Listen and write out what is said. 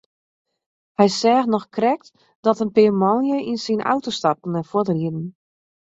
Hy seach noch krekt dat in pear manlju yn syn auto stapten en fuortrieden.